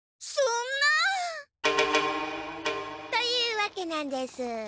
そんな！というわけなんです。